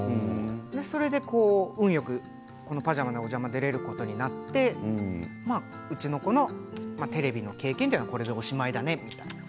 それでこの「パジャマでおじゃま」出られることになってうちの子のテレビの経験はこれでおしまいだねって